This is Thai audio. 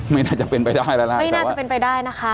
ไม่น่าจะเป็นไปได้แล้วล่ะไม่น่าจะเป็นไปได้นะคะ